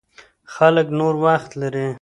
خلک نور وخت لري.